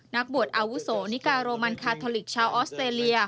นักบวชอาวุโสนิกาโรมันคาทอลิกชาวออสเตรเลีย